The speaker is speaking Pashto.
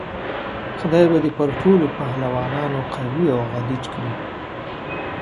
خدای به دې پر ټولو پهلوانانو قوي او غلیچ کړي.